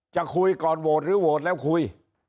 จะคุยก่อนโหวตหรือโหวตแล้วคุย